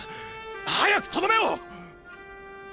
早くとどめを！